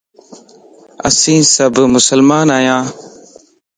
اسين سڀ مسلمان ايان